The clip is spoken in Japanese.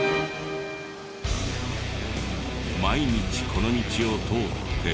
毎日この道を通って。